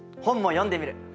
本も読んでみる！